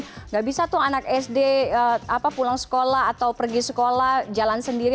tidak bisa tuh anak sd pulang sekolah atau pergi sekolah jalan sendiri